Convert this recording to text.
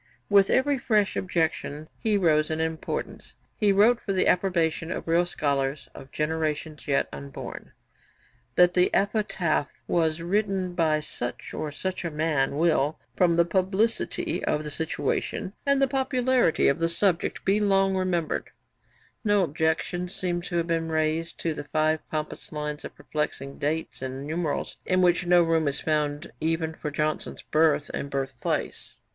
With every fresh objection he rose in importance. He wrote for the approbation of real scholars of generations yet unborn. 'That the epitaph was written by such or such a man will, from the publicity of the situation, and the popularity of the subject, be long remembered.' Johnstone's Life of Parr, iv. 694 712. No objection seems to have been raised to the five pompous lines of perplexing dates and numerals in which no room is found even for Johnson's birth and birth place.